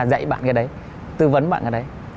dạy bạn cái đấy tư vấn bạn cái đấy